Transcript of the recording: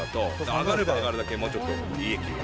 上がれば上がるだけもうちょっと利益が。